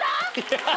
ハハハハ。